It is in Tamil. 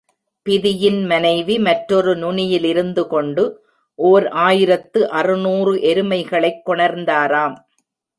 பிதியின் மனைவி, மற்றொரு நுனியிலிருந்துகொண்டு ஓர் ஆயிரத்து அறுநூறு எருமைகளைக் கொணர்ந்தாராம்.